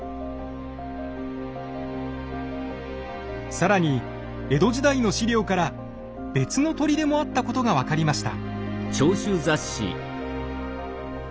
更に江戸時代の史料から別の砦もあったことが分かりました。